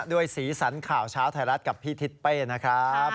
สีสันข่าวเช้าไทยรัฐกับพี่ทิศเป้นะครับ